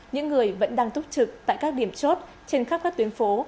những người vẫn đang túc trực tại các điểm chốt trên khắp các tuyến phố